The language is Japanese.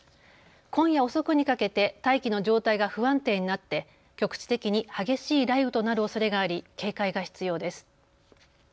今夜遅くにかけて大気の状態が不安定になって局地的に激しい雷雨となるおそれがあり警戒が必要です。